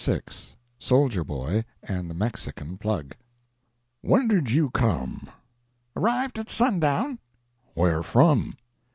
VI SOLDIER BOY AND THE MEXICAN PLUG "WHEN did you come?" "Arrived at sundown." "Where from?"